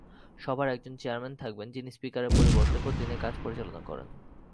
সভার একজন চেয়ারম্যান থাকবেন যিনি স্পিকারের পরিবর্তে প্রতিদিনের কাজ পরিচালনা করেন।